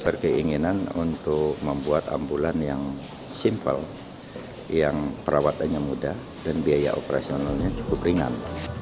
berkeinginan untuk membuat ambulan yang simple yang perawatannya mudah dan biaya operasionalnya cukup ringan